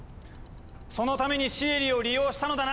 そのためにシエリを利用したのだな！